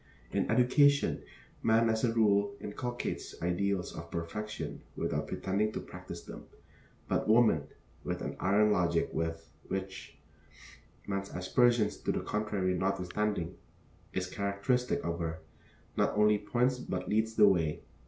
In education, man as a rule inculcates ideals of perfection without pretending to practice them; but woman, with an iron logic which, man's aspersions to the contrary notwithstanding, is characteristic of her, not only points but leads the way.